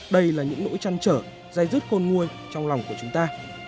đây là những nỗi trăn trở dây rứt khôn nguôi trong lòng của chúng ta